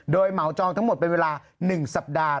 โดยเหมาจองทั้งหมดเป็นเวลา๑สัปดาห์